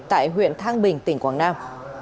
tại huyện thang bình tỉnh quảng nam